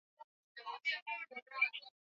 Shule zote zilifungwa.